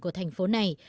của thành phố này